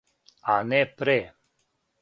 А не пре.